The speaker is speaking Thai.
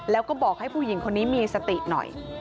แล้วก็บอกให้ผู้หญิงคนนี้มีสติหน่อย